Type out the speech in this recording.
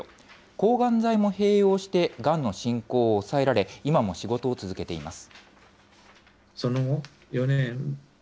抗がん剤も併用して、がんの進行を抑えられ、今も仕事を続けています。